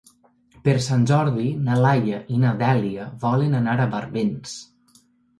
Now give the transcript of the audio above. Per Sant Jordi na Laia i na Dèlia volen anar a Barbens.